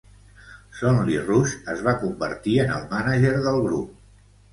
Sonley Roush es va convertir en el manager del grup.